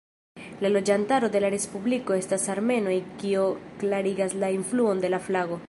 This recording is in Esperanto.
La loĝantaro de la respubliko estas armenoj kio klarigas la influon de la flago.